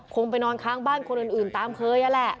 ไปนอนค้างบ้านคนอื่นตามเคยนั่นแหละ